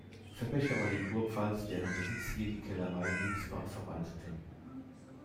Verpächter war die Kurpfalz, deren Besitz hier die Kellerei Hilsbach verwaltete.